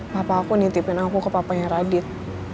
papa aku nitipin aku ke papanya radit